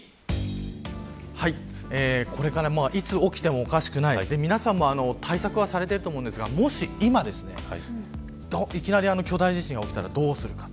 これからいつ起きてもおかしくない皆さんも対策はされていると思いますが、もし今いきなり巨大地震が起きたらどうするか。